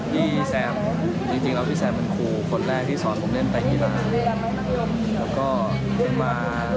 ปีแซมจริงแล้วปีแซมมันครูคนแรกที่สอนผมเล่นไตรกีฬา